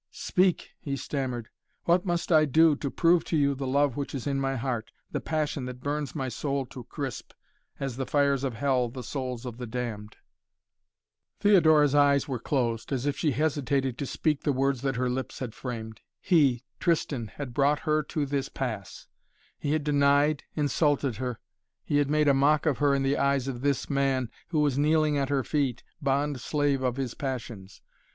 "Speak," he stammered, "what must I do to prove to you the love which is in my heart the passion that burns my soul to crisp, as the fires of hell the souls of the damned?" Theodora's eyes were closed, as if she hesitated to speak the words that her lips had framed. He, Tristan, had brought her to this pass. He had denied, insulted her, he had made a mock of her in the eyes of this man, who was kneeling at her feet, bond slave of his passions.